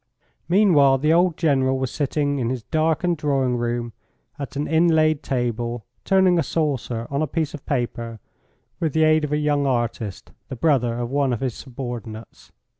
Meanwhile the old General was sitting in his darkened drawing room at an inlaid table, turning a saucer on a piece of paper with the aid of a young artist, the brother of one of his subordinates.